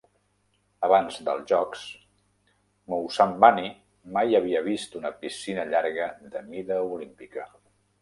Abans dels Jocs, Moussambani mai havia vist una piscina llarga de mida olímpica.